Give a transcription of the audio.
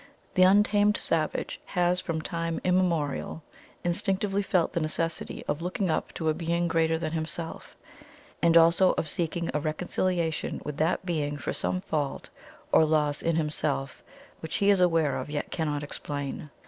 The untamed savage has from time immemorial instinctively felt the necessity of looking up to a Being greater than Himself, and also of seeking a reconciliation with that Being for some fault or loss in himself which he is aware of, yet cannot explain.